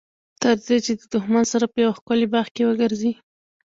تر دې چې د دښمن سره په یوه ښکلي باغ کې وګرځي.